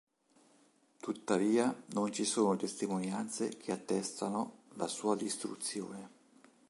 Tuttavia, non ci sono testimonianze che attestano la sua distruzione.